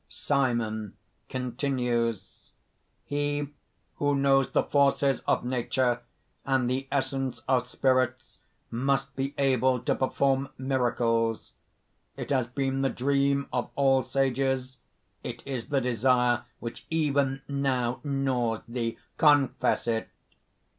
"_) SIMON (continues). "He who knows the forces of Nature and the essence of Spirits must be able to perform miracles. It has been the dream of all sages; it is the desire which even now gnaws thee! confess it!"